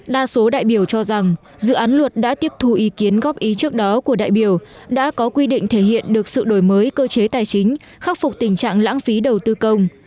đa số đại biểu cho rằng dự án luật đã tiếp thu ý kiến góp ý trước đó của đại biểu đã có quy định thể hiện được sự đổi mới cơ chế tài chính khắc phục tình trạng lãng phí đầu tư công